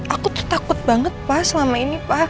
aku tuh takut banget pak selama ini pak